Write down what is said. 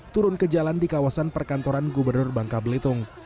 turun ke jalan di kawasan perkantoran gubernur bangka belitung